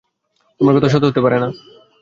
তোমার কথা সত্য হতে পারে না।